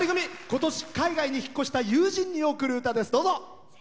ことし海外に引っ越した友人に贈る歌です。